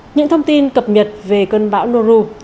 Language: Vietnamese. những thông tin cập nhật về cơn bão noru